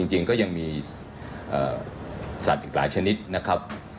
จริงก็ยังมีสัตว์อีกหลายชนิดนะครับ